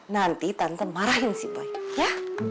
nanti tante marahin si boy ya